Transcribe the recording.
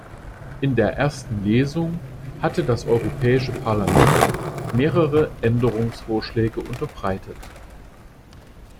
In der ersten Lesung hatte das Europäische Parlament mehrere Änderungsvorschläge unterbreitet.